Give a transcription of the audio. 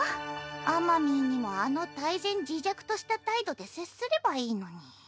あまみーにもあの泰然自若とした態度で接すればいいのに。